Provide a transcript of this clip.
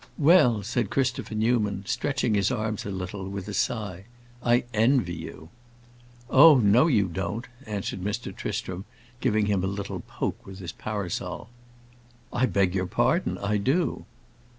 "Well," said Christopher Newman, stretching his arms a little, with a sigh, "I envy you." "Oh no! you don't!" answered Mr. Tristram, giving him a little poke with his parasol. "I beg your pardon; I do!"